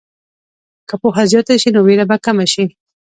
که پوهه زیاته شي، نو ویره به کمه شي.